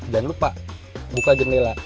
jangan lupa buka jendela